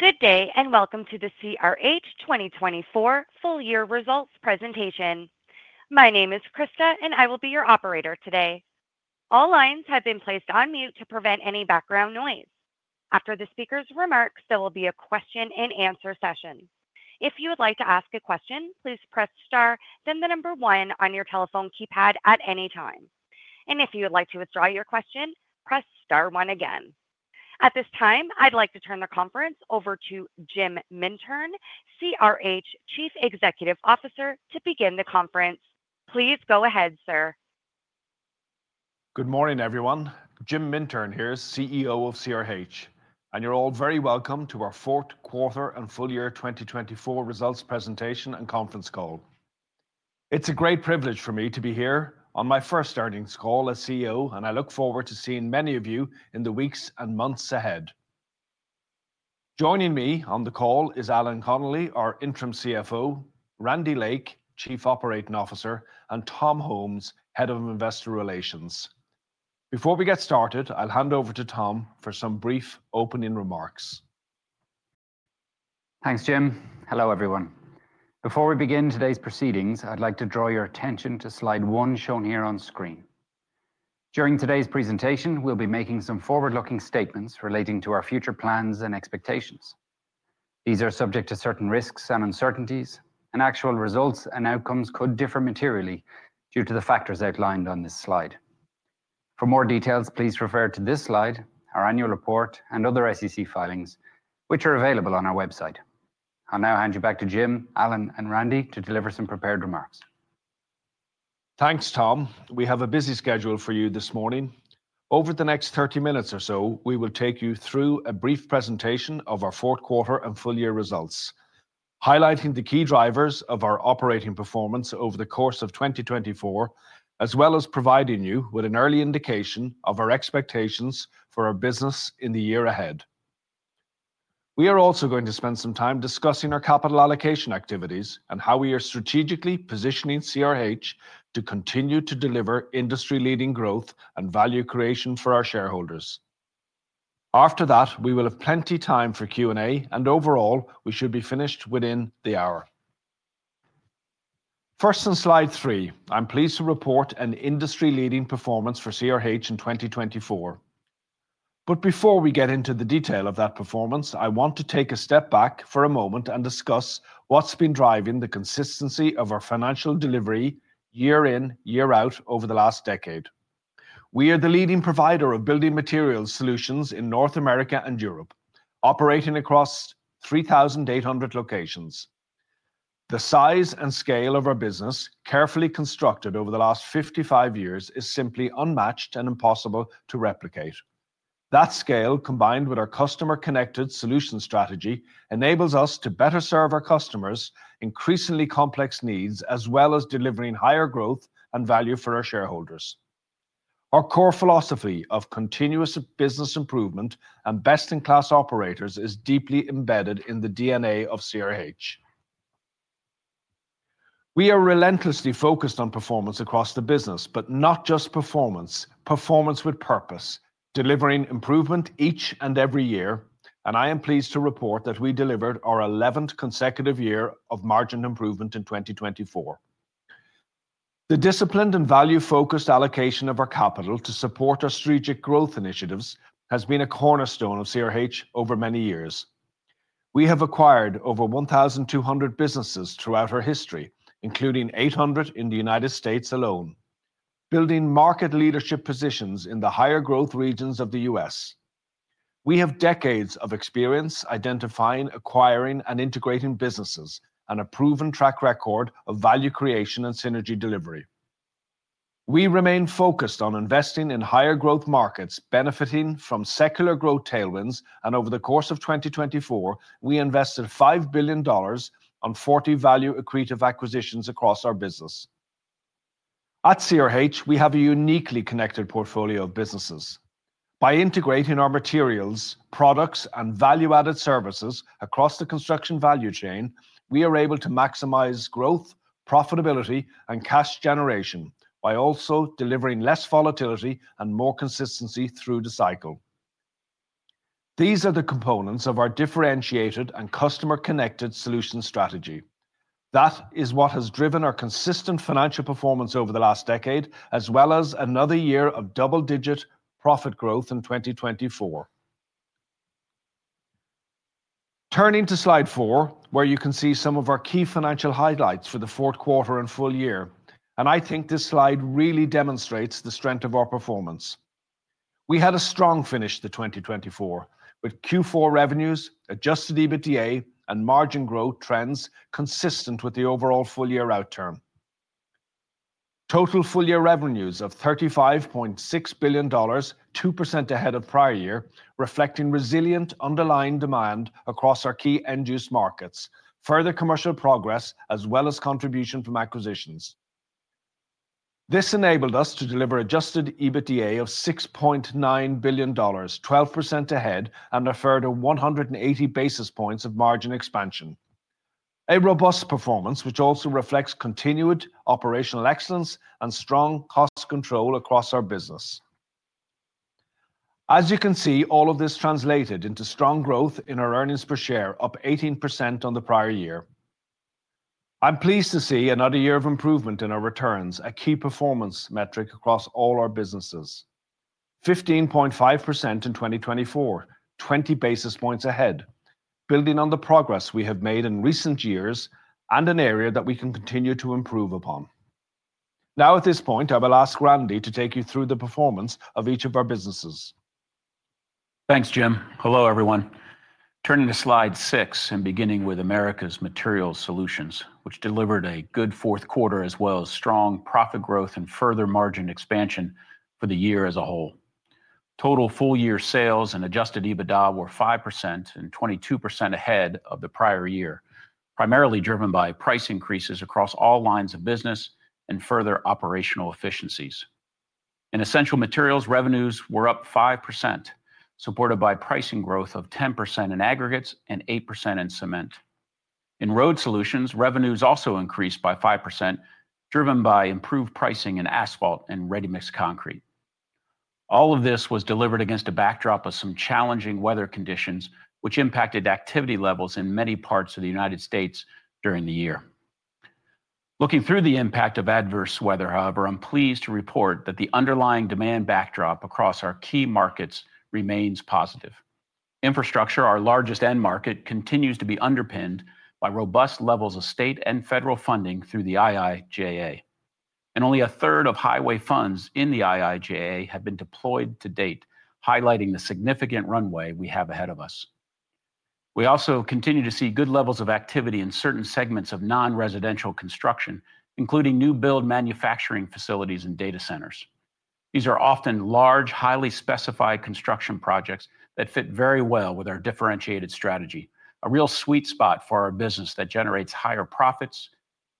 Good day and welcome to the CRH 2024 full year results presentation. My name is Krista, and I will be your operator today. All lines have been placed on mute to prevent any background noise. After the speaker's remarks, there will be a question-and-answer session. If you would like to ask a question, please press star, then the number one on your telephone keypad at any time. And if you would like to withdraw your question, press star one again. At this time, I'd like to turn the conference over to Jim Mintern, CRH Chief Executive Officer, to begin the conference. Please go ahead, sir. Good morning, everyone. Jim Mintern here, CEO of CRH, and you're all very welcome to our fourth quarter and full year 2024 results presentation and conference call. It's a great privilege for me to be here on my first earnings call as CEO, and I look forward to seeing many of you in the weeks and months ahead. Joining me on the call is Alan Connolly, our Interim CFO, Randy Lake, Chief Operating Officer, and Tom Holmes, Head of Investor Relations. Before we get started, I'll hand over to Tom for some brief opening remarks. Thanks, Jim. Hello, everyone. Before we begin today's proceedings, I'd like to draw your attention to slide one shown here on screen. During today's presentation, we'll be making some forward-looking statements relating to our future plans and expectations. These are subject to certain risks and uncertainties, and actual results and outcomes could differ materially due to the factors outlined on this slide. For more details, please refer to this slide, our annual report, and other SEC filings, which are available on our website. I'll now hand you back to Jim, Alan, and Randy to deliver some prepared remarks. Thanks, Tom. We have a busy schedule for you this morning. Over the next 30 minutes or so, we will take you through a brief presentation of our fourth quarter and full year results, highlighting the key drivers of our operating performance over the course of 2024, as well as providing you with an early indication of our expectations for our business in the year ahead. We are also going to spend some time discussing our capital allocation activities and how we are strategically positioning CRH to continue to deliver industry-leading growth and value creation for our shareholders. After that, we will have plenty of time for Q&A, and overall, we should be finished within the hour. First, on slide three, I'm pleased to report an industry-leading performance for CRH in 2024. But before we get into the detail of that performance, I want to take a step back for a moment and discuss what's been driving the consistency of our financial delivery year in, year out over the last decade. We are the leading provider of building materials solutions in North America and Europe, operating across 3,800 locations. The size and scale of our business, carefully constructed over the last 55 years, is simply unmatched and impossible to replicate. That scale, combined with our customer-connected solution strategy, enables us to better serve our customers' increasingly complex needs, as well as delivering higher growth and value for our shareholders. Our core philosophy of continuous business improvement and best-in-class operators is deeply embedded in the DNA of CRH. We are relentlessly focused on performance across the business, but not just performance. Performance with purpose, delivering improvement each and every year. I am pleased to report that we delivered our 11th consecutive year of margin improvement in 2024. The disciplined and value-focused allocation of our capital to support our strategic growth initiatives has been a cornerstone of CRH over many years. We have acquired over 1,200 businesses throughout our history, including 800 in the United States alone, building market leadership positions in the higher growth regions of the U.S. We have decades of experience identifying, acquiring, and integrating businesses and a proven track record of value creation and synergy delivery. We remain focused on investing in higher growth markets benefiting from secular growth tailwinds, and over the course of 2024, we invested $5 billion on 40 value-accretive acquisitions across our business. At CRH, we have a uniquely connected portfolio of businesses. By integrating our materials, products, and value-added services across the construction value chain, we are able to maximize growth, profitability, and cash generation by also delivering less volatility and more consistency through the cycle. These are the components of our differentiated and customer-connected solution strategy. That is what has driven our consistent financial performance over the last decade, as well as another year of double-digit profit growth in 2024. Turning to slide four, where you can see some of our key financial highlights for the fourth quarter and full year, and I think this slide really demonstrates the strength of our performance. We had a strong finish to 2024 with Q4 revenues, Adjusted EBITDA, and margin growth trends consistent with the overall full year outcome. Total full year revenues of $35.6 billion, 2% ahead of prior year, reflecting resilient underlying demand across our key end-use markets, further commercial progress, as well as contribution from acquisitions. This enabled us to deliver Adjusted EBITDA of $6.9 billion, 12% ahead, and a further 180 basis points of margin expansion. A robust performance, which also reflects continued operational excellence and strong cost control across our business. As you can see, all of this translated into strong growth in our earnings per share, up 18% on the prior year. I'm pleased to see another year of improvement in our returns, a key performance metric across all our businesses, 15.5% in 2024, 20 basis points ahead, building on the progress we have made in recent years and an area that we can continue to improve upon. Now, at this point, I will ask Randy to take you through the performance of each of our businesses. Thanks, Jim. Hello, everyone. Turning to slide six and beginning with Americas Materials Solutions, which delivered a good fourth quarter, as well as strong profit growth and further margin expansion for the year as a whole. Total full year sales and Adjusted EBITDA were 5% and 22% ahead of the prior year, primarily driven by price increases across all lines of business and further operational efficiencies. In Essential Materials, revenues were up 5%, supported by pricing growth of 10% in aggregates and 8% in cement. In Road Solutions, revenues also increased by 5%, driven by improved pricing in asphalt and ready-mix concrete. All of this was delivered against a backdrop of some challenging weather conditions, which impacted activity levels in many parts of the United States during the year. Looking through the impact of adverse weather, however, I'm pleased to report that the underlying demand backdrop across our key markets remains positive. Infrastructure, our largest end market, continues to be underpinned by robust levels of state and federal funding through the IIJA, and only a third of highway funds in the IIJA have been deployed to date, highlighting the significant runway we have ahead of us. We also continue to see good levels of activity in certain segments of non-residential construction, including new build manufacturing facilities and data centers. These are often large, highly specified construction projects that fit very well with our differentiated strategy, a real sweet spot for our business that generates higher profits,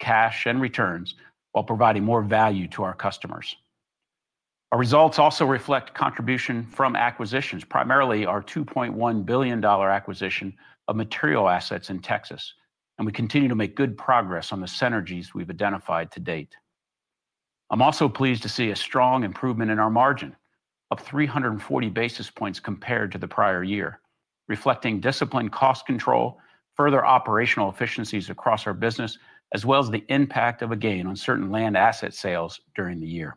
cash, and returns while providing more value to our customers. Our results also reflect contribution from acquisitions, primarily our $2.1 billion acquisition of material assets in Texas, and we continue to make good progress on the synergies we've identified to date. I'm also pleased to see a strong improvement in our margin, up 340 basis points compared to the prior year, reflecting disciplined cost control, further operational efficiencies across our business, as well as the impact of a gain on certain land asset sales during the year.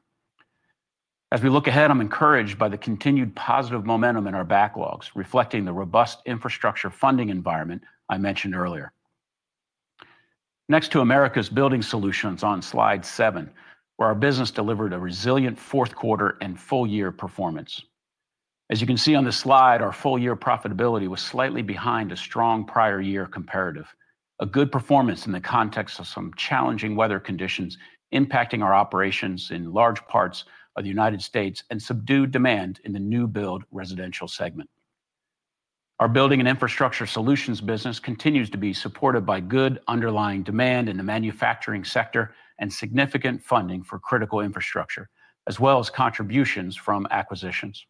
As we look ahead, I'm encouraged by the continued positive momentum in our backlogs, reflecting the robust infrastructure funding environment I mentioned earlier. Next to Americas Building Solutions on slide seven, where our business delivered a resilient fourth quarter and full year performance. As you can see on the slide, our full year profitability was slightly behind a strong prior year comparative, a good performance in the context of some challenging weather conditions impacting our operations in large parts of the United States and subdued demand in the new build residential segment. Our Building and Infrastructure Solutions business continues to be supported by good underlying demand in the manufacturing sector and significant funding for critical infrastructure, as well as contributions from acquisitions.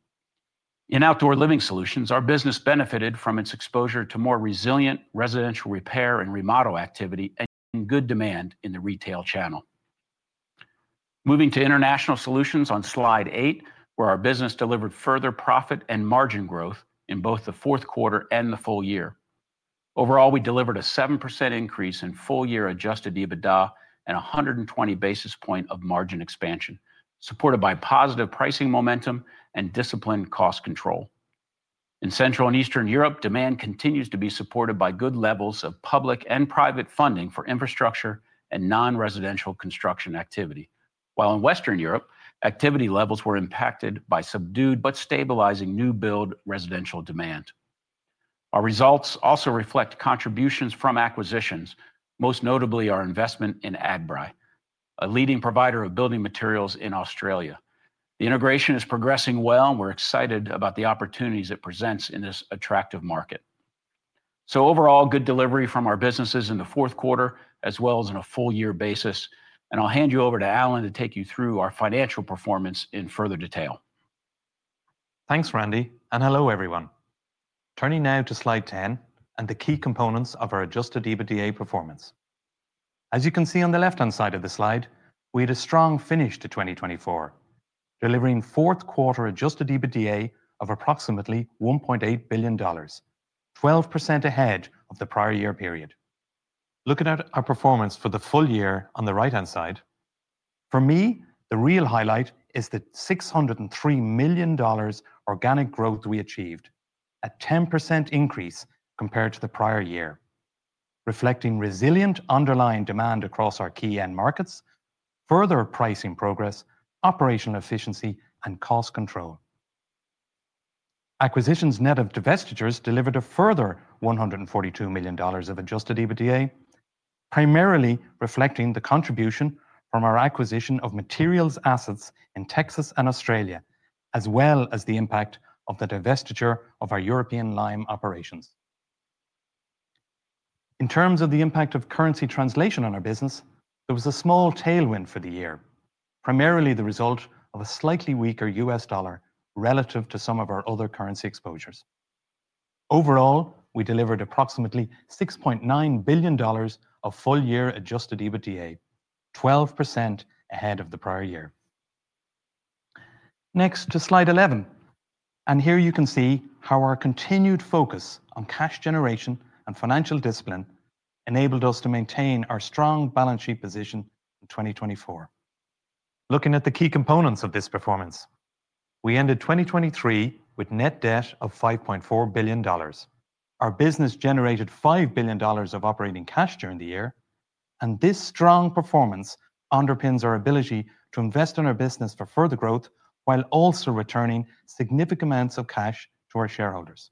In Outdoor Living Solutions, our business benefited from its exposure to more resilient residential repair and remodel activity and good demand in the retail channel. Moving to International Solutions on slide eight, where our business delivered further profit and margin growth in both the fourth quarter and the full year. Overall, we delivered a 7% increase in full year Adjusted EBITDA and 120 basis points of margin expansion, supported by positive pricing momentum and disciplined cost control. In Central and Eastern Europe, demand continues to be supported by good levels of public and private funding for infrastructure and non-residential construction activity, while in Western Europe, activity levels were impacted by subdued but stabilizing new build residential demand. Our results also reflect contributions from acquisitions, most notably our investment in Adbri, a leading provider of building materials in Australia. The integration is progressing well, and we're excited about the opportunities it presents in this attractive market. So overall, good delivery from our businesses in the fourth quarter, as well as on a full year basis. And I'll hand you over to Alan to take you through our financial performance in further detail. Thanks, Randy, and hello, everyone. Turning now to slide 10 and the key components of our Adjusted EBITDA performance. As you can see on the left-hand side of the slide, we had a strong finish to 2024, delivering fourth quarter Adjusted EBITDA of approximately $1.8 billion, 12% ahead of the prior year period. Looking at our performance for the full year on the right-hand side, for me, the real highlight is the $603 million organic growth we achieved, a 10% increase compared to the prior year, reflecting resilient underlying demand across our key end markets, further pricing progress, operational efficiency, and cost control. Acquisitions net of divestitures delivered a further $142 million of Adjusted EBITDA, primarily reflecting the contribution from our acquisition of materials assets in Texas and Australia, as well as the impact of the divestiture of our European lime operations. In terms of the impact of currency translation on our business, there was a small tailwind for the year, primarily the result of a slightly weaker U.S. dollar relative to some of our other currency exposures. Overall, we delivered approximately $6.9 billion of full year Adjusted EBITDA, 12% ahead of the prior year. Next to slide 11, and here you can see how our continued focus on cash generation and financial discipline enabled us to maintain our strong balance sheet position in 2024. Looking at the key components of this performance, we ended 2023 with net debt of $5.4 billion. Our business generated $5 billion of operating cash during the year, and this strong performance underpins our ability to invest in our business for further growth while also returning significant amounts of cash to our shareholders.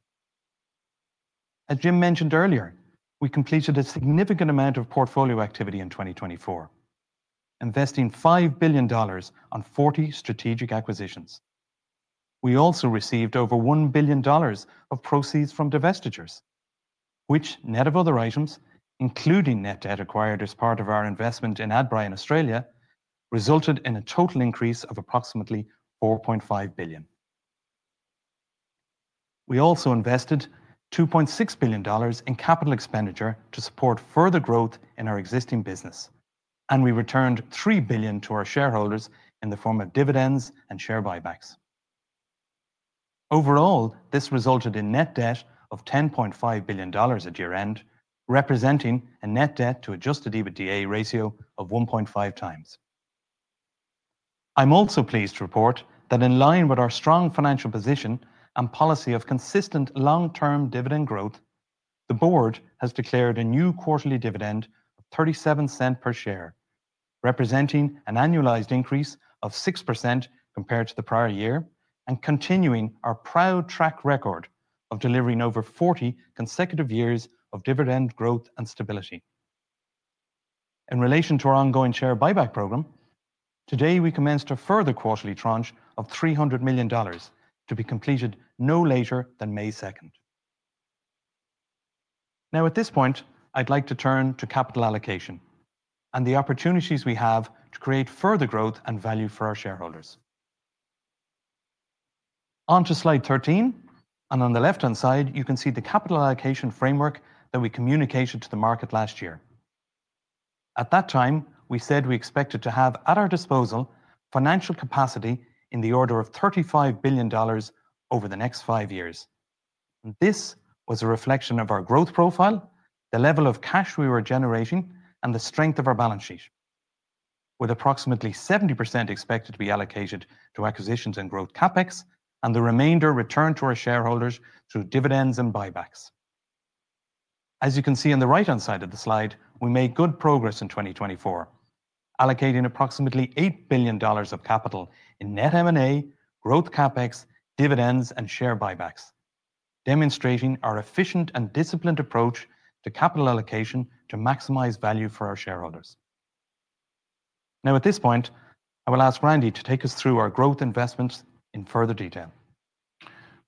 As Jim mentioned earlier, we completed a significant amount of portfolio activity in 2024, investing $5 billion on 40 strategic acquisitions. We also received over $1 billion of proceeds from divestitures, which, net of other items, including net debt acquired as part of our investment in Adbri in Australia, resulted in a total increase of approximately $4.5 billion. We also invested $2.6 billion in capital expenditure to support further growth in our existing business, and we returned $3 billion to our shareholders in the form of dividends and share buybacks. Overall, this resulted in net debt of $10.5 billion at year-end, representing a net debt to Adjusted EBITDA ratio of 1.5 times. I'm also pleased to report that in line with our strong financial position and policy of consistent long-term dividend growth, the board has declared a new quarterly dividend of $0.37 per share, representing an annualized increase of 6% compared to the prior year and continuing our proud track record of delivering over 40 consecutive years of dividend growth and stability. In relation to our ongoing share buyback program, today we commence to further quarterly tranche of $300 million to be completed no later than May 2nd. Now, at this point, I'd like to turn to capital allocation and the opportunities we have to create further growth and value for our shareholders. On to slide 13, and on the left-hand side, you can see the capital allocation framework that we communicated to the market last year. At that time, we said we expected to have at our disposal financial capacity in the order of $35 billion over the next five years. This was a reflection of our growth profile, the level of cash we were generating, and the strength of our balance sheet, with approximately 70% expected to be allocated to acquisitions and growth CapEx, and the remainder returned to our shareholders through dividends and buybacks. As you can see on the right-hand side of the slide, we made good progress in 2024, allocating approximately $8 billion of capital in net M&A, growth CapEx, dividends, and share buybacks, demonstrating our efficient and disciplined approach to capital allocation to maximize value for our shareholders. Now, at this point, I will ask Randy to take us through our growth investments in further detail.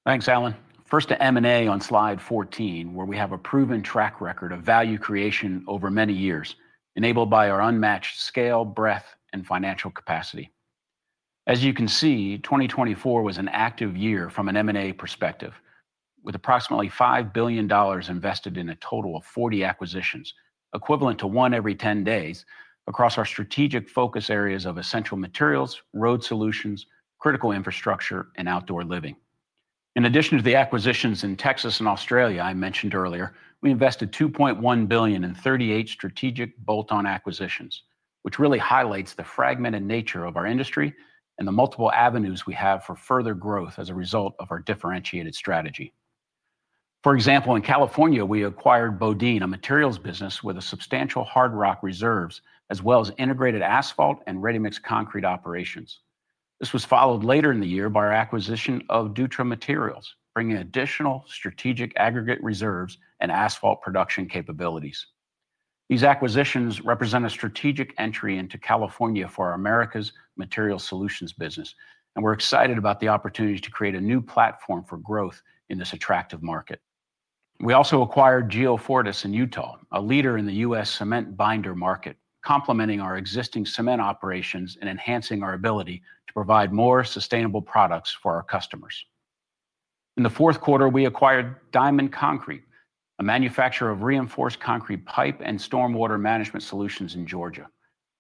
Thanks, Alan. First, to M&A on slide 14, where we have a proven track record of value creation over many years, enabled by our unmatched scale, breadth, and financial capacity. As you can see, 2024 was an active year from an M&A perspective, with approximately $5 billion invested in a total of 40 acquisitions, equivalent to one every 10 days, across our strategic focus areas of essential materials, road solutions, critical infrastructure, and outdoor living. In addition to the acquisitions in Texas and Australia I mentioned earlier, we invested $2.1 billion in 38 strategic bolt-on acquisitions, which really highlights the fragmented nature of our industry and the multiple avenues we have for further growth as a result of our differentiated strategy. For example, in California, we acquired BoDean, a materials business with substantial hard rock reserves, as well as integrated asphalt and ready-mix concrete operations. This was followed later in the year by our acquisition of Dutra Materials, bringing additional strategic aggregate reserves and asphalt production capabilities. These acquisitions represent a strategic entry into California for Americas Materials Solutions business, and we're excited about the opportunity to create a new platform for growth in this attractive market. We also acquired Geofortis in Utah, a leader in the U.S. cement binder market, complementing our existing cement operations and enhancing our ability to provide more sustainable products for our customers. In the fourth quarter, we acquired Diamond Concrete, a manufacturer of reinforced concrete pipe and stormwater management solutions in Georgia.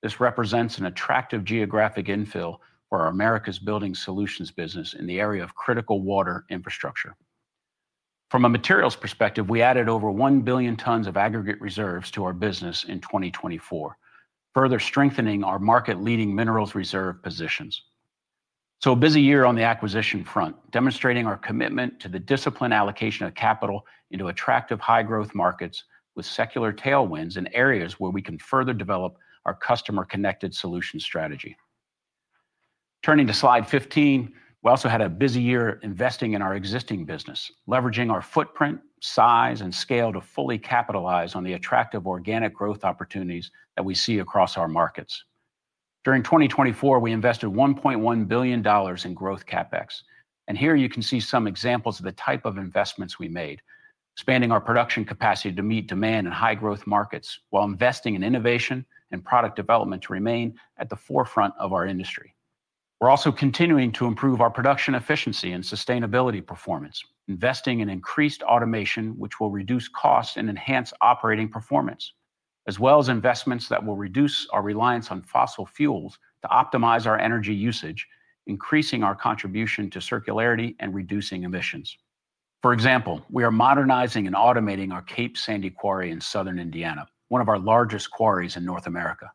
This represents an attractive geographic infill for our Americas Building Solutions business in the area of critical water infrastructure. From a materials perspective, we added over 1 billion tons of aggregate reserves to our business in 2024, further strengthening our market-leading minerals reserve positions. A busy year on the acquisition front, demonstrating our commitment to the disciplined allocation of capital into attractive high-growth markets with secular tailwinds in areas where we can further develop our customer-connected solution strategy. Turning to slide 15, we also had a busy year investing in our existing business, leveraging our footprint, size, and scale to fully capitalize on the attractive organic growth opportunities that we see across our markets. During 2024, we invested $1.1 billion in growth CapEx, and here you can see some examples of the type of investments we made, expanding our production capacity to meet demand in high-growth markets while investing in innovation and product development to remain at the forefront of our industry. We're also continuing to improve our production efficiency and sustainability performance, investing in increased automation, which will reduce costs and enhance operating performance, as well as investments that will reduce our reliance on fossil fuels to optimize our energy usage, increasing our contribution to circularity and reducing emissions. For example, we are modernizing and automating our Cape Sandy quarry in southern Indiana, one of our largest quarries in North America.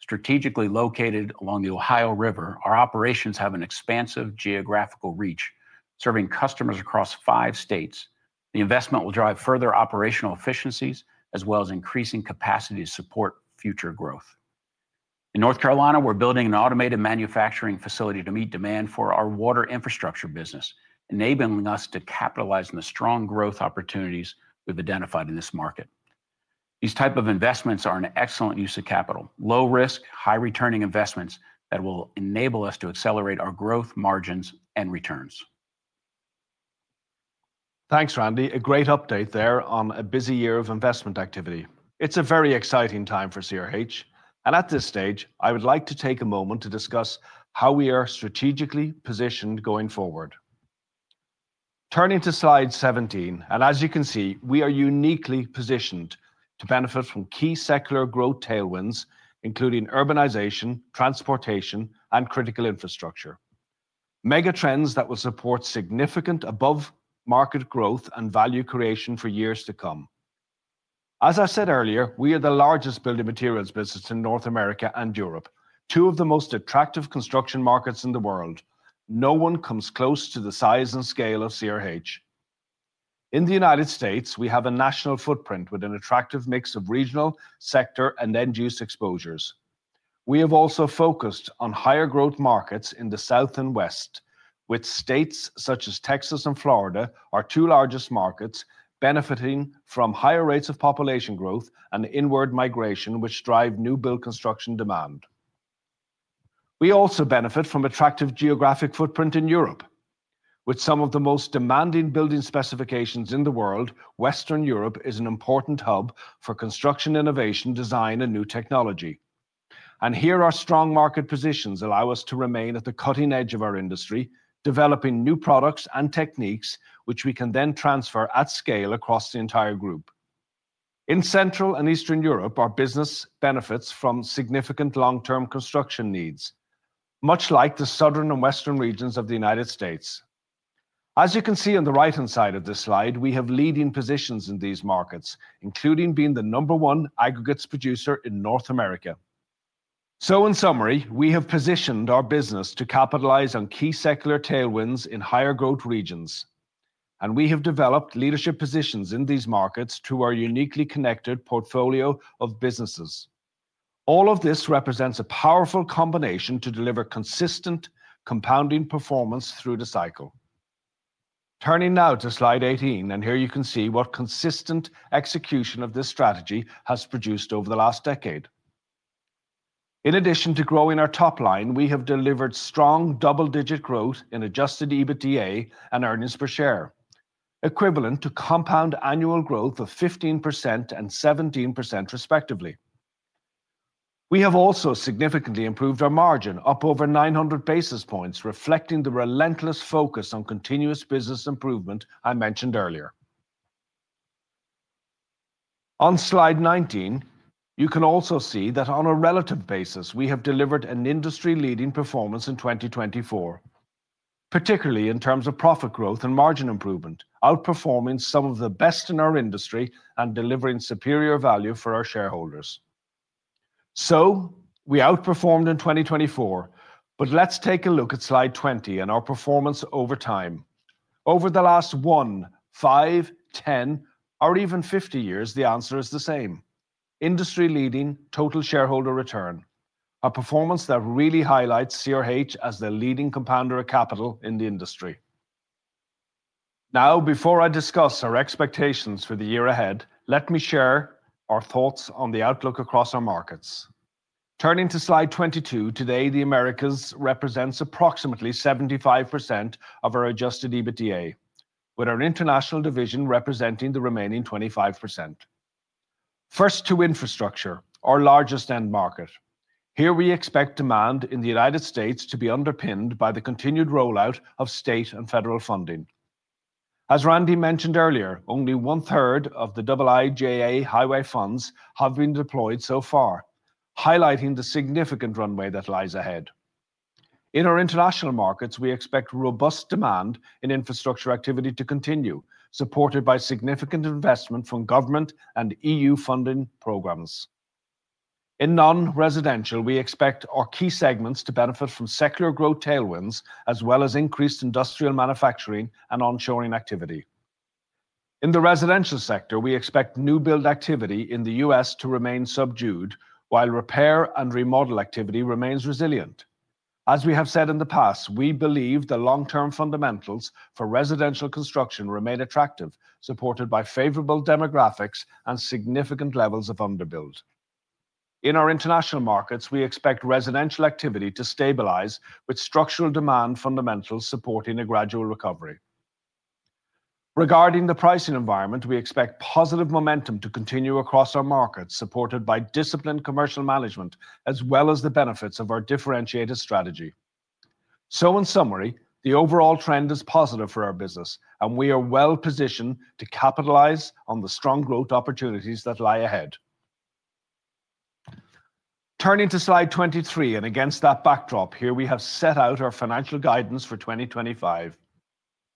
Strategically located along the Ohio River, our operations have an expansive geographical reach, serving customers across five states. The investment will drive further operational efficiencies, as well as increasing capacity to support future growth. In North Carolina, we're building an automated manufacturing facility to meet demand for our water infrastructure business, enabling us to capitalize on the strong growth opportunities we've identified in this market. These types of investments are an excellent use of capital: low-risk, high-returning investments that will enable us to accelerate our growth margins and returns. Thanks, Randy. A great update there on a busy year of investment activity. It's a very exciting time for CRH, and at this stage, I would like to take a moment to discuss how we are strategically positioned going forward. Turning to slide 17, and as you can see, we are uniquely positioned to benefit from key secular growth tailwinds, including urbanization, transportation, and critical infrastructure. Mega trends that will support significant above-market growth and value creation for years to come. As I said earlier, we are the largest building materials business in North America and Europe, two of the most attractive construction markets in the world. No one comes close to the size and scale of CRH. In the United States, we have a national footprint with an attractive mix of regional, sector, and end-use exposures. We have also focused on higher growth markets in the south and west, with states such as Texas and Florida, our two largest markets, benefiting from higher rates of population growth and inward migration, which drive new-build construction demand. We also benefit from attractive geographic footprint in Europe. With some of the most demanding building specifications in the world, Western Europe is an important hub for construction innovation, design, and new technology, and here, our strong market positions allow us to remain at the cutting edge of our industry, developing new products and techniques, which we can then transfer at scale across the entire group. In Central and Eastern Europe, our business benefits from significant long-term construction needs, much like the southern and western regions of the United States. As you can see on the right-hand side of this slide, we have leading positions in these markets, including being the number one aggregates producer in North America. So, in summary, we have positioned our business to capitalize on key secular tailwinds in higher growth regions, and we have developed leadership positions in these markets through our uniquely connected portfolio of businesses. All of this represents a powerful combination to deliver consistent, compounding performance through the cycle. Turning now to slide 18, and here you can see what consistent execution of this strategy has produced over the last decade. In addition to growing our top line, we have delivered strong double-digit growth in adjusted EBITDA and earnings per share, equivalent to compound annual growth of 15% and 17%, respectively. We have also significantly improved our margin, up over 900 basis points, reflecting the relentless focus on continuous business improvement I mentioned earlier. On slide 19, you can also see that on a relative basis, we have delivered an industry-leading performance in 2024, particularly in terms of profit growth and margin improvement, outperforming some of the best in our industry and delivering superior value for our shareholders. We outperformed in 2024, but let's take a look at slide 20 and our performance over time. Over the last one, five, 10, or even 50 years, the answer is the same: industry-leading total shareholder return, a performance that really highlights CRH as the leading compounder of capital in the industry. Now, before I discuss our expectations for the year ahead, let me share our thoughts on the outlook across our markets. Turning to slide 22, today, the Americas represents approximately 75% of our Adjusted EBITDA, with our international division representing the remaining 25%. First, to infrastructure, our largest end market. Here, we expect demand in the United States to be underpinned by the continued rollout of state and federal funding. As Randy mentioned earlier, only one-third of the IIJA highway funds have been deployed so far, highlighting the significant runway that lies ahead. In our international markets, we expect robust demand in infrastructure activity to continue, supported by significant investment from government and E.U. funding programs. In non-residential, we expect our key segments to benefit from secular growth tailwinds, as well as increased industrial manufacturing and onshoring activity. In the residential sector, we expect new-build activity in the U.S. to remain subdued, while repair and remodel activity remains resilient. As we have said in the past, we believe the long-term fundamentals for residential construction remain attractive, supported by favorable demographics and significant levels of underbuild. In our international markets, we expect residential activity to stabilize, with structural demand fundamentals supporting a gradual recovery. Regarding the pricing environment, we expect positive momentum to continue across our markets, supported by disciplined commercial management, as well as the benefits of our differentiated strategy. So, in summary, the overall trend is positive for our business, and we are well-positioned to capitalize on the strong growth opportunities that lie ahead. Turning to slide 23, and against that backdrop, here we have set out our financial guidance for 2025.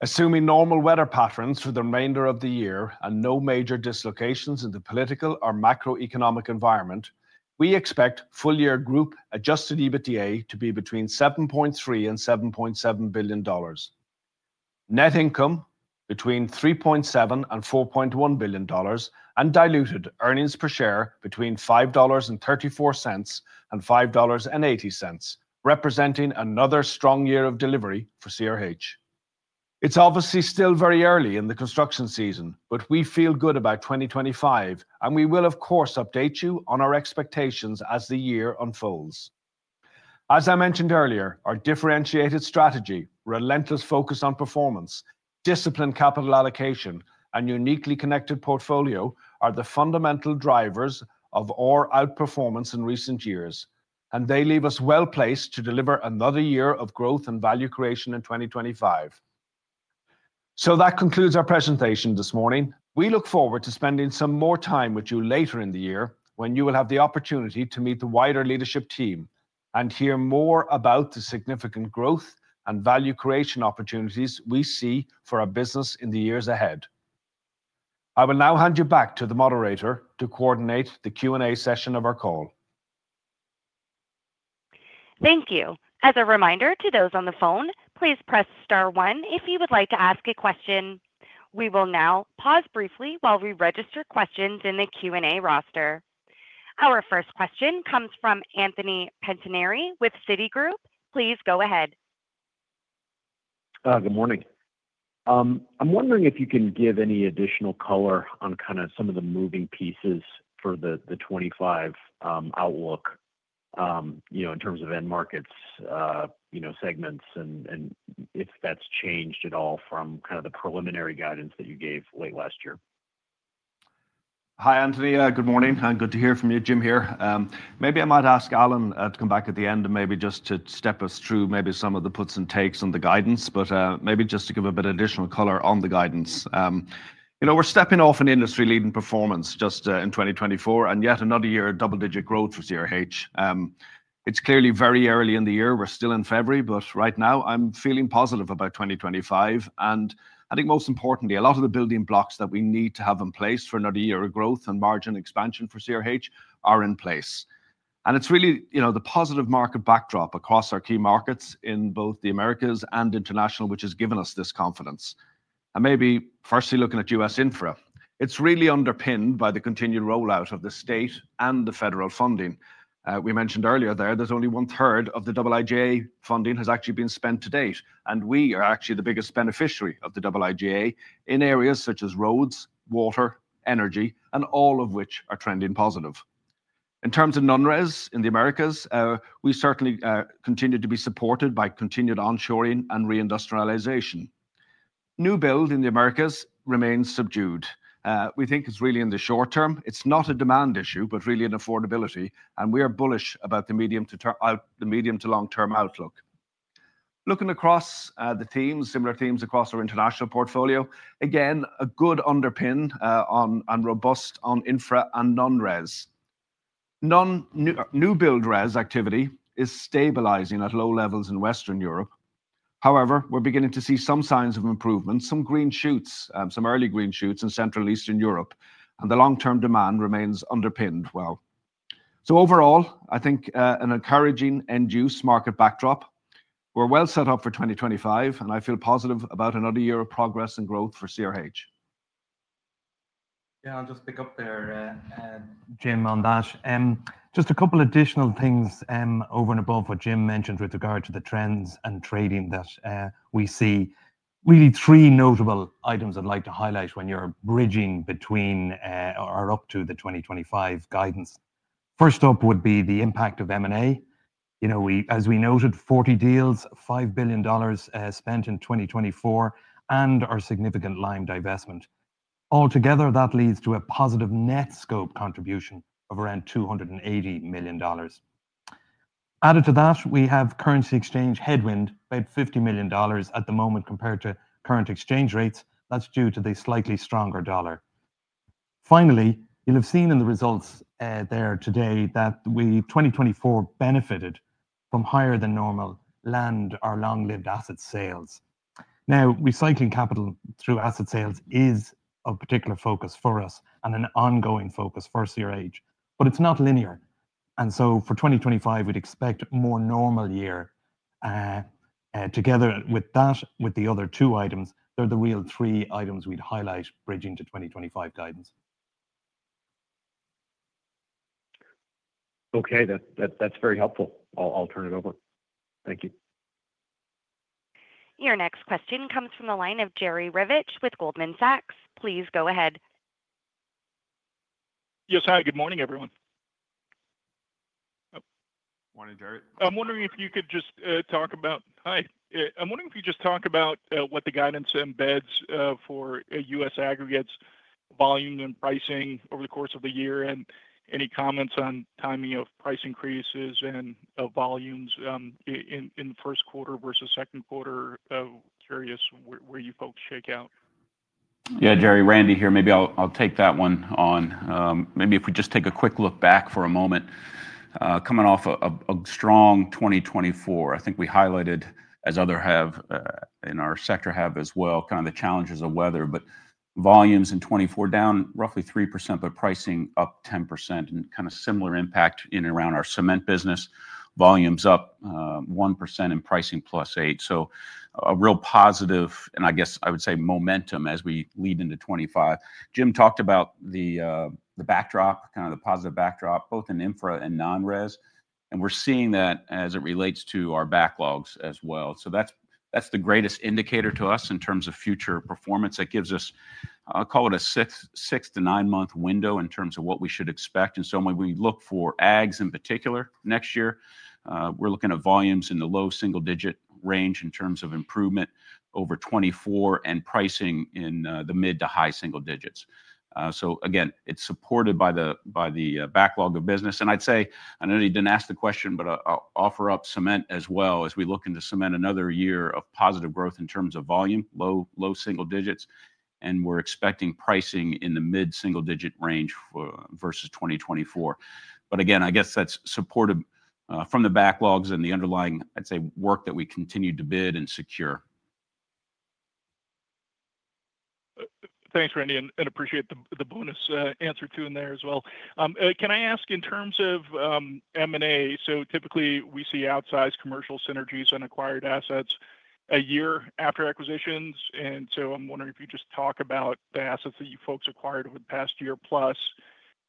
Assuming normal weather patterns for the remainder of the year and no major dislocations in the political or macroeconomic environment, we expect full-year group Adjusted EBITDA to be between $7.3 and $7.7 billion, net income between $3.7 and $4.1 billion, and diluted earnings per share between $5.34 and $5.80, representing another strong year of delivery for CRH. It's obviously still very early in the construction season, but we feel good about 2025, and we will, of course, update you on our expectations as the year unfolds. As I mentioned earlier, our differentiated strategy, relentless focus on performance, disciplined capital allocation, and uniquely connected portfolio are the fundamental drivers of our outperformance in recent years, and they leave us well-placed to deliver another year of growth and value creation in 2025. So, that concludes our presentation this morning. We look forward to spending some more time with you later in the year, when you will have the opportunity to meet the wider leadership team and hear more about the significant growth and value creation opportunities we see for our business in the years ahead. I will now hand you back to the moderator to coordinate the Q&A session of our call. Thank you. As a reminder to those on the phone, please press star one if you would like to ask a question. We will now pause briefly while we register questions in the Q&A roster. Our first question comes from Anthony Pettinari with Citi. Please go ahead. Good morning. I'm wondering if you can give any additional color on kind of some of the moving pieces for the 2025 outlook, you know, in terms of end markets, you know, segments, and if that's changed at all from kind of the preliminary guidance that you gave late last year? Hi, Anthony. Good morning. Good to hear from you, Jim here. Maybe I might ask Alan to come back at the end and maybe just to step us through maybe some of the puts and takes on the guidance, but maybe just to give a bit of additional color on the guidance. You know, we're stepping off an industry-leading performance just in 2024, and yet another year of double-digit growth for CRH. It's clearly very early in the year. We're still in February, but right now, I'm feeling positive about 2025. I think most importantly, a lot of the building blocks that we need to have in place for another year of growth and margin expansion for CRH are in place. It's really, you know, the positive market backdrop across our key markets in both the Americas and international, which has given us this confidence. Maybe firstly looking at U.S. infra, it's really underpinned by the continued rollout of the state and the federal funding. We mentioned earlier there that only one-third of the IIJA funding has actually been spent to date, and we are actually the biggest beneficiary of the IIJA in areas such as roads, water, energy, and all of which are trending positive. In terms of non-res in the Americas, we certainly continue to be supported by continued onshoring and reindustrialization. New-build in the Americas remains subdued. We think it's really in the short term. It's not a demand issue, but really an affordability, and we are bullish about the medium to long-term outlook. Looking across the themes, similar themes across our international portfolio, again, a good underpin on and robust on infra and non-res. New-build res activity is stabilizing at low levels in Western Europe. However, we're beginning to see some signs of improvement, some green shoots, some early green shoots in Central and Eastern Europe, and the long-term demand remains underpinned well. So, overall, I think an encouraging end-use market backdrop. We're well set up for 2025, and I feel positive about another year of progress and growth for CRH. Yeah, I'll just pick up there, Jim, on that. Just a couple of additional things over and above what Jim mentioned with regard to the trends and trading that we see. Really, three notable items I'd like to highlight when you're bridging between or up to the 2025 guidance. First up would be the impact of M&A. You know, as we noted, 40 deals, $5 billion spent in 2024, and our significant line divestment. Altogether, that leads to a positive net scope contribution of around $280 million. Added to that, we have currency exchange headwind, about $50 million at the moment compared to current exchange rates. That's due to the slightly stronger dollar. Finally, you'll have seen in the results there today that in 2024 we benefited from higher than normal land or long-lived asset sales. Now, recycling capital through asset sales is a particular focus for us and an ongoing focus for CRH, but it's not linear. And so, for 2025, we'd expect a more normal year. Together with that, with the other two items, they're the real three items we'd highlight bridging to 2025 guidance. Okay, that's very helpful. I'll turn it over. Thank you. Your next question comes from the line of Jerry Revich with Goldman Sachs. Please go ahead. Yes, hi, good morning, everyone. Morning, Jerry. I'm wondering if you could just talk about what the guidance embeds for U.S. aggregates, volume, and pricing over the course of the year, and any comments on timing of price increases and volumes in the first quarter versus second quarter. Curious where you folks shake out? Yeah, Jerry, Randy here. Maybe I'll take that one on. Maybe if we just take a quick look back for a moment, coming off a strong 2024, I think we highlighted, as others have in our sector have as well, kind of the challenges of weather, but volumes in 2024 down roughly 3%, but pricing up 10%, and kind of similar impact in and around our cement business, volumes up 1%, and pricing plus 8%. So, a real positive, and I guess I would say momentum as we lead into 2025. Jim talked about the backdrop, kind of the positive backdrop, both in infra and non-res, and we're seeing that as it relates to our backlogs as well. So, that's the greatest indicator to us in terms of future performance. That gives us, I'll call it a six to nine-month window in terms of what we should expect. And so, when we look for ags in particular next year, we're looking at volumes in the low single-digit range in terms of improvement over 2024 and pricing in the mid to high single digits. So, again, it's supported by the backlog of business. And I'd say, I know you didn't ask the question, but I'll offer up cement as well as we look into cement, another year of positive growth in terms of volume, low single digits, and we're expecting pricing in the mid single-digit range versus 2024. But again, I guess that's supported from the backlogs and the underlying, I'd say, work that we continue to bid and secure. Thanks, Randy, and I appreciate the bonus answer too in there as well. Can I ask in terms of M&A? So, typically, we see outsized commercial synergies and acquired assets a year after acquisitions. And so, I'm wondering if you could just talk about the assets that you folks acquired over the past year plus,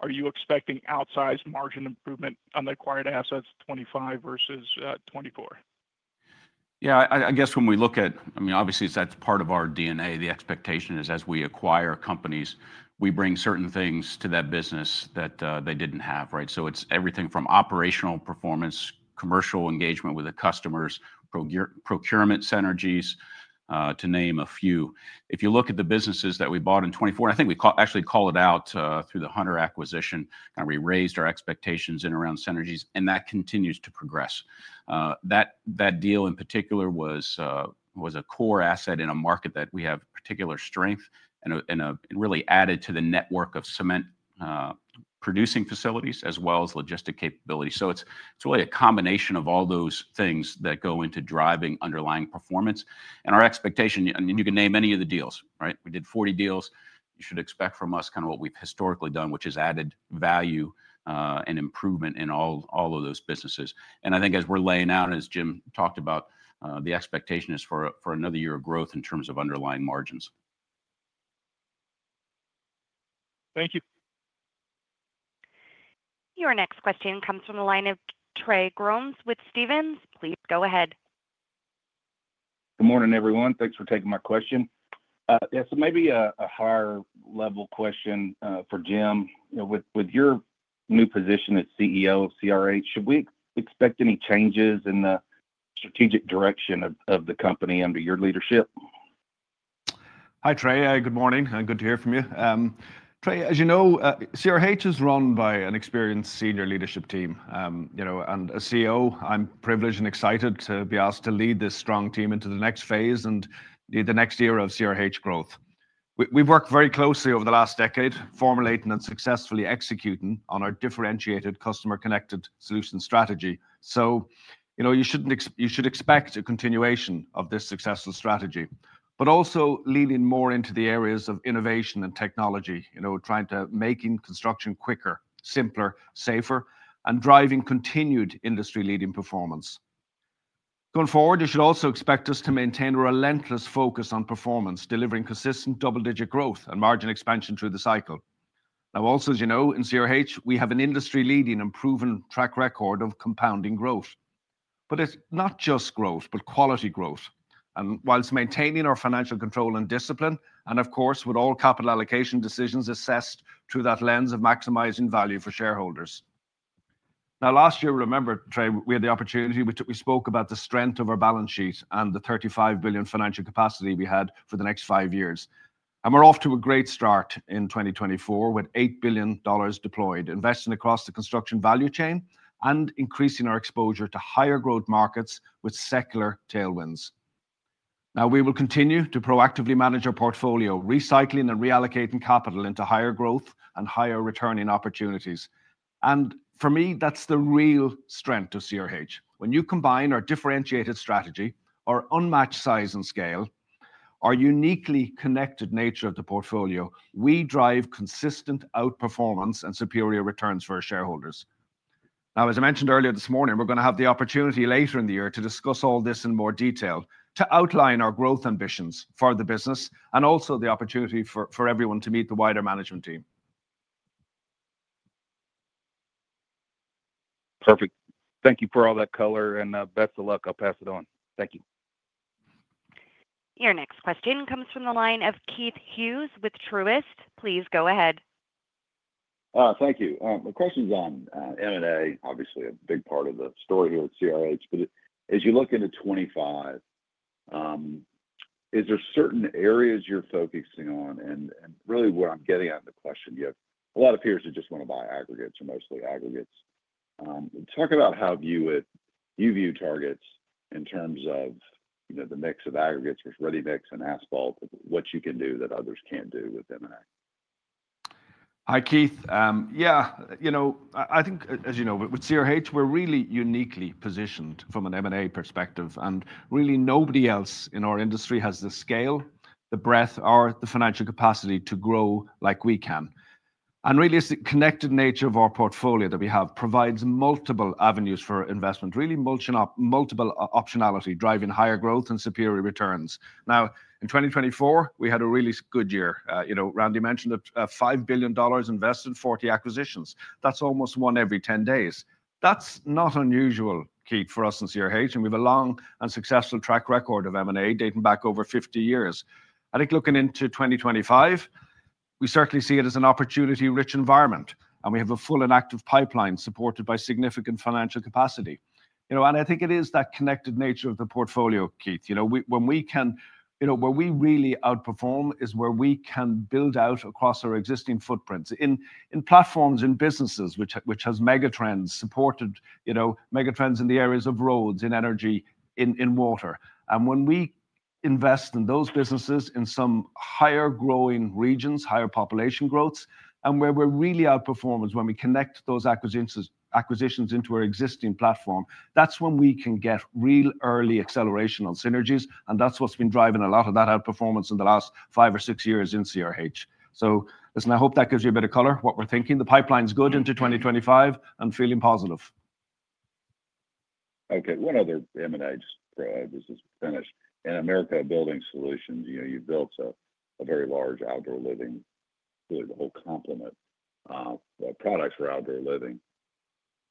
are you expecting outsized margin improvement on the acquired assets 2025 versus 2024? Yeah, I guess when we look at, I mean, obviously, that's part of our DNA. The expectation is, as we acquire companies, we bring certain things to that business that they didn't have, right? So, it's everything from operational performance, commercial engagement with the customers, procurement synergies, to name a few. If you look at the businesses that we bought in 2024, and I think we actually called it out through the Hunter acquisition, kind of we raised our expectations in and around synergies, and that continues to progress. That deal in particular was a core asset in a market that we have particular strength and really added to the network of cement producing facilities as well as logistic capability. So, it's really a combination of all those things that go into driving underlying performance. And our expectation, and you can name any of the deals, right? We did 40 deals. You should expect from us kind of what we've historically done, which has added value and improvement in all of those businesses, and I think as we're laying out, and as Jim talked about, the expectation is for another year of growth in terms of underlying margins. Thank you. Your next question comes from the line of Trey Grooms with Stephens. Please go ahead. Good morning, everyone. Thanks for taking my question. Yeah, so maybe a higher-level question for Jim. With your new position as CEO of CRH, should we expect any changes in the strategic direction of the company under your leadership? Hi, Trey. Good morning. Good to hear from you. Trey, as you know, CRH is run by an experienced senior leadership team. You know, and as CEO, I'm privileged and excited to be asked to lead this strong team into the next phase and the next year of CRH growth. We've worked very closely over the last decade, formulating and successfully executing on our differentiated customer-connected solution strategy. So, you know, you should expect a continuation of this successful strategy, but also leading more into the areas of innovation and technology, you know, trying to make construction quicker, simpler, safer, and driving continued industry-leading performance. Going forward, you should also expect us to maintain a relentless focus on performance, delivering consistent double-digit growth and margin expansion through the cycle. Now, also, as you know, in CRH, we have an industry-leading and proven track record of compounding growth. But it's not just growth, but quality growth. And while maintaining our financial control and discipline, and of course, with all capital allocation decisions assessed through that lens of maximizing value for shareholders. Now, last year, remember, Trey, we had the opportunity we spoke about the strength of our balance sheet and the $35 billion financial capacity we had for the next five years. And we're off to a great start in 2024 with $8 billion deployed, investing across the construction value chain and increasing our exposure to higher growth markets with secular tailwinds. Now, we will continue to proactively manage our portfolio, recycling and reallocating capital into higher growth and higher returning opportunities. And for me, that's the real strength of CRH. When you combine our differentiated strategy, our unmatched size and scale, our uniquely connected nature of the portfolio, we drive consistent outperformance and superior returns for our shareholders. Now, as I mentioned earlier this morning, we're going to have the opportunity later in the year to discuss all this in more detail, to outline our growth ambitions for the business, and also the opportunity for everyone to meet the wider management team. Perfect. Thank you for all that color, and best of luck. I'll pass it on. Thank you. Your next question comes from the line of Keith Hughes with Truist. Please go ahead. Thank you. My question's on M&A, obviously a big part of the story here at CRH, but as you look into 2025, is there certain areas you're focusing on? And really, what I'm getting at in the question, you have a lot of peers who just want to buy aggregates or mostly aggregates. Talk about how you view targets in terms of the mix of aggregates versus ready mix and asphalt, what you can do that others can't do with M&A. Hi, Keith. Yeah, you know, I think, as you know, with CRH, we're really uniquely positioned from an M&A perspective, and really nobody else in our industry has the scale, the breadth, or the financial capacity to grow like we can. And really, it's the connected nature of our portfolio that we have that provides multiple avenues for investment, really multiple optionality, driving higher growth and superior returns. Now, in 2024, we had a really good year. You know, Randy mentioned that $5 billion invested in 40 acquisitions. That's almost one every 10 days. That's not unusual, Keith, for us in CRH, and we have a long and successful track record of M&A dating back over 50 years. I think looking into 2025, we certainly see it as an opportunity-rich environment, and we have a full and active pipeline supported by significant financial capacity. You know, and I think it is that connected nature of the portfolio, Keith. You know, when we can, you know, where we really outperform is where we can build out across our existing footprints in platforms, in businesses which have mega trends supported, you know, mega trends in the areas of roads, in energy, in water. And when we invest in those businesses in some higher growing regions, higher population growths, and where we're really outperformers when we connect those acquisitions into our existing platform, that's when we can get real early acceleration on synergies, and that's what's been driving a lot of that outperformance in the last five or six years in CRH. So, listen, I hope that gives you a bit of color what we're thinking. The pipeline's good into 2025 and feeling positive. Okay, one other M&A just, this is finished, and Americas Building Solutions, you know, you built a very large outdoor living, really the whole complement of products for outdoor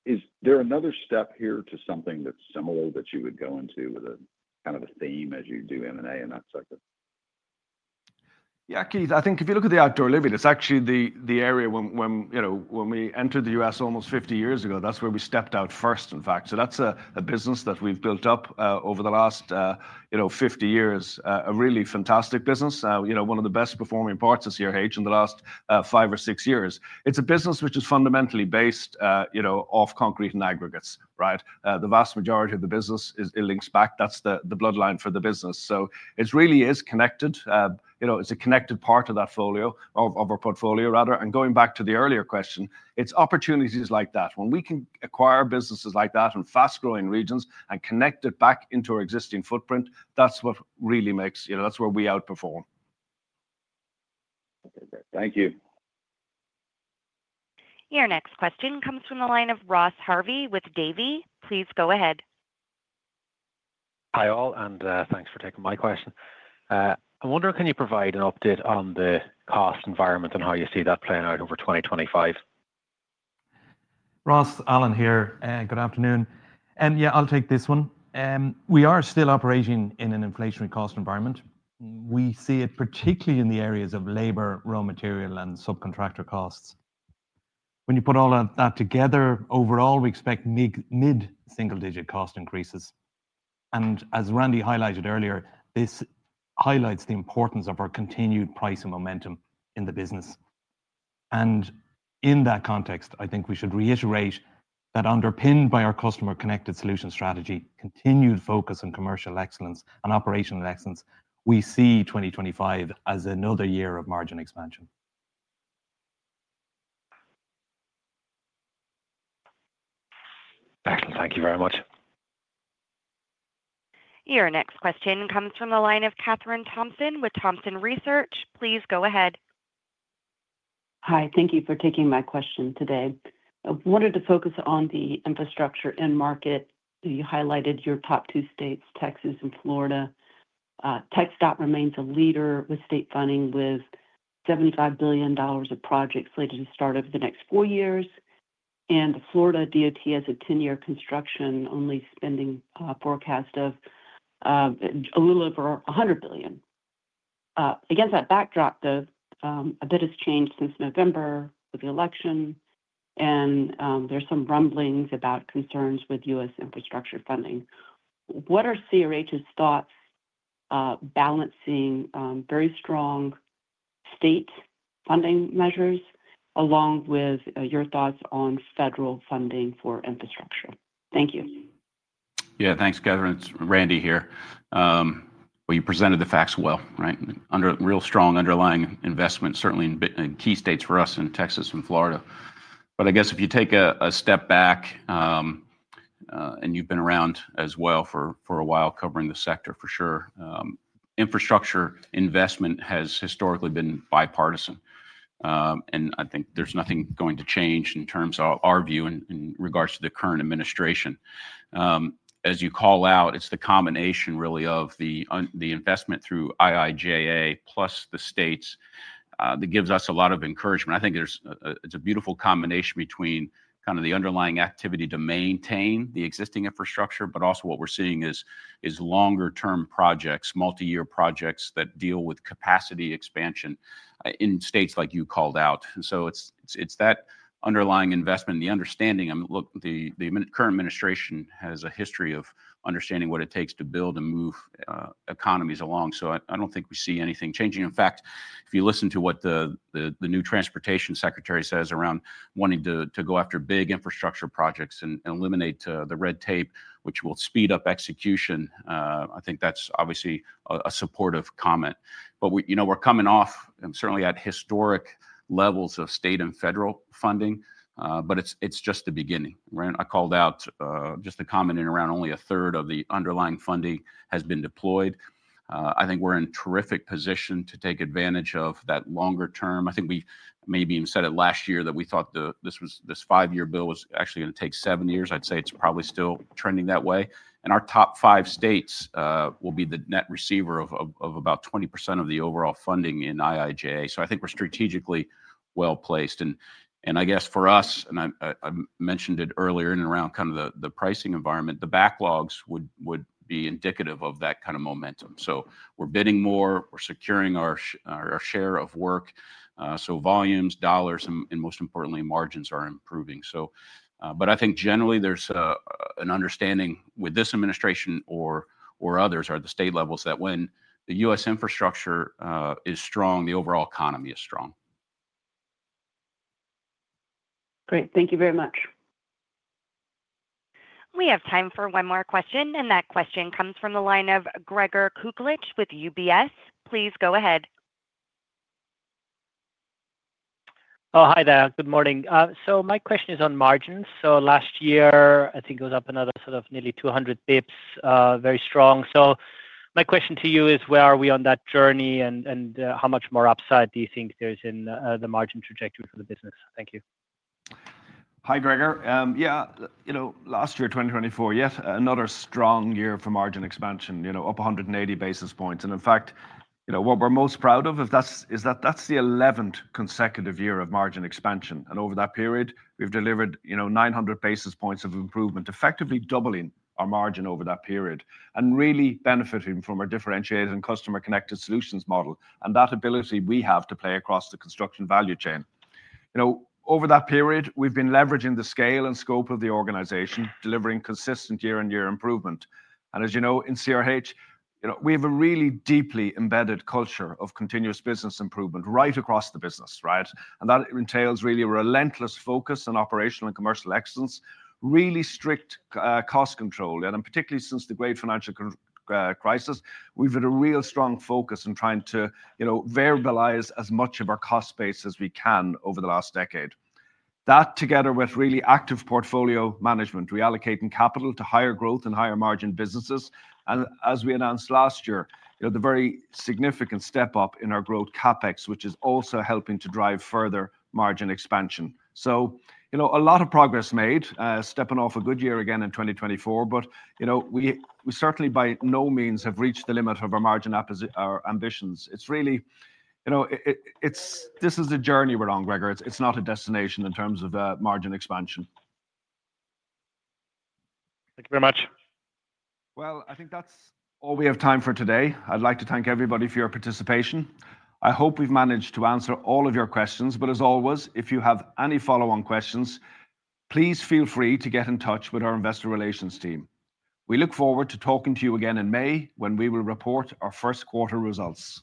living. Is there another step here to something that's similar that you would go into with a kind of a theme as you do M&A in that sector? Yeah, Keith, I think if you look at the outdoor living, it's actually the area when, you know, when we entered the U.S. almost 50 years ago, that's where we set foot first, in fact. So, that's a business that we've built up over the last, you know, 50 years, a really fantastic business, you know, one of the best performing parts of CRH in the last five or six years. It's a business which is fundamentally based, you know, off concrete and aggregates, right? The vast majority of the business links back, that's the bloodline for the business. So, it really is connected, you know, it's a connected part of that pillar of our portfolio, rather. And going back to the earlier question, it's opportunities like that. When we can acquire businesses like that in fast-growing regions and connect it back into our existing footprint, that's what really makes, you know, that's where we outperform. Okay, great. Thank you. Your next question comes from the line of Ross Harvey with Davy. Please go ahead. Hi all, and thanks for taking my question. I'm wondering, can you provide an update on the cost environment and how you see that playing out over 2025? Ross Alan here, and good afternoon. Yeah, I'll take this one. We are still operating in an inflationary cost environment. We see it particularly in the areas of labor, raw material, and subcontractor costs. When you put all of that together, overall, we expect mid single-digit cost increases. As Randy highlighted earlier, this highlights the importance of our continued price and momentum in the business. In that context, I think we should reiterate that underpinned by our customer-connected solution strategy, continued focus on commercial excellence and operational excellence, we see 2025 as another year of margin expansion. Excellent. Thank you very much. Your next question comes from the line of Kathryn Thompson with Thompson Research. Please go ahead. Hi, thank you for taking my question today. I wanted to focus on the infrastructure and market. You highlighted your top two states, Texas and Florida. TxDOT remains a leader with state funding with $75 billion of projects slated to start over the next four years, and the Florida DOT has a 10-year construction-only spending forecast of a little over $100 billion. Against that backdrop, though, a bit has changed since November with the election, and there's some rumblings about concerns with U.S. infrastructure funding. What are CRH's thoughts balancing very strong state funding measures along with your thoughts on federal funding for infrastructure? Thank you. Yeah, thanks, Kathryn. It's Randy here. Well, you presented the facts well, right? Under real strong underlying investment, certainly in key states for us in Texas and Florida, but I guess if you take a step back, and you've been around as well for a while covering the sector for sure, infrastructure investment has historically been bipartisan, and I think there's nothing going to change in terms of our view in regards to the current administration. As you call out, it's the combination really of the investment through IIJA plus the states that gives us a lot of encouragement. I think it's a beautiful combination between kind of the underlying activity to maintain the existing infrastructure, but also what we're seeing is longer-term projects, multi-year projects that deal with capacity expansion in states like you called out, and so it's that underlying investment and the understanding. The current administration has a history of understanding what it takes to build and move economies along. So, I don't think we see anything changing. In fact, if you listen to what the new transportation secretary says around wanting to go after big infrastructure projects and eliminate the red tape, which will speed up execution, I think that's obviously a supportive comment. But, you know, we're coming off, certainly at historic levels of state and federal funding, but it's just the beginning. I called out just a comment in around only a third of the underlying funding has been deployed. I think we're in a terrific position to take advantage of that longer term. I think we maybe even said it last year that we thought this five-year bill was actually going to take seven years. I'd say it's probably still trending that way. Our top five states will be the net receiver of about 20% of the overall funding in IIJA. So, I think we're strategically well placed. And I guess for us, and I mentioned it earlier in and around kind of the pricing environment, the backlogs would be indicative of that kind of momentum. So, we're bidding more, we're securing our share of work. So, volumes, dollars, and most importantly, margins are improving. So, but I think generally there's an understanding with this administration or others, or the state levels, that when the U.S. infrastructure is strong, the overall economy is strong. Great. Thank you very much. We have time for one more question, and that question comes from the line of Gregor Kuglitsch with UBS. Please go ahead. Oh, hi there. Good morning. So, my question is on margins. So, last year, I think it was up another sort of nearly 200 basis points, very strong. So, my question to you is, where are we on that journey and how much more upside do you think there is in the margin trajectory for the business? Thank you. Hi, Gregor. Yeah, you know, last year, 2024, yes, another strong year for margin expansion, you know, up 180 basis points. And in fact, you know, what we're most proud of is that that's the 11th consecutive year of margin expansion. And over that period, we've delivered, you know, 900 basis points of improvement, effectively doubling our margin over that period and really benefiting from our differentiated and customer-connected solutions model and that ability we have to play across the construction value chain. You know, over that period, we've been leveraging the scale and scope of the organization, delivering consistent year-on-year improvement. And as you know, in CRH, you know, we have a really deeply embedded culture of continuous business improvement right across the business, right? And that entails really a relentless focus on operational and commercial excellence, really strict cost control. And particularly since the Great Financial Crisis, we've had a real strong focus in trying to, you know, variabilize as much of our cost base as we can over the last decade. That, together with really active portfolio management, reallocating capital to higher growth and higher margin businesses. And as we announced last year, you know, the very significant step up in our growth CapEx, which is also helping to drive further margin expansion. So, you know, a lot of progress made, stepping off a good year again in 2024, but, you know, we certainly by no means have reached the limit of our margin ambitions. It's really, you know, this is a journey we're on, Gregor. It's not a destination in terms of margin expansion. Thank you very much. I think that's all we have time for today. I'd like to thank everybody for your participation. I hope we've managed to answer all of your questions, but as always, if you have any follow-on questions, please feel free to get in touch with our investor relations team. We look forward to talking to you again in May when we will report our first quarter results.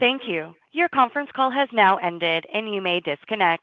Thank you. Your conference call has now ended, and you may disconnect.